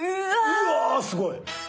うわすごい！